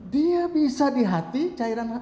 dia bisa di hati cairan